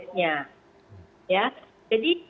nah ini adalah hal yang terjadi